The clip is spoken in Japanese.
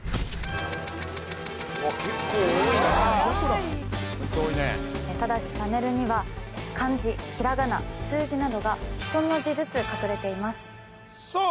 ・結構多いな枚数多いねただしパネルには漢字ひらがな数字などが１文字ずつ隠れていますさあ